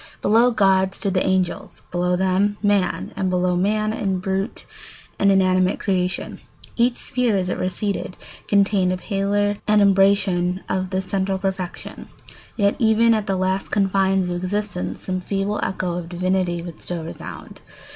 Below God stood the angels, below them man, and below man the brute and inanimate creation. Each sphere, as it receded, contained a paler adumbration of the central perfection; yet even at the last confines of existence some feeble echo of divinity would still resound.